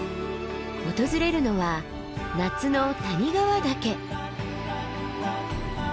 訪れるのは夏の谷川岳。